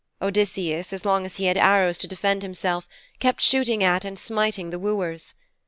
Odysseus, as long as he had arrows to defend himself, kept shooting at and smiting the wooers.